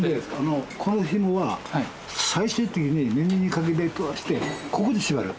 このひもは最終的に耳にかけたりしてここで縛る。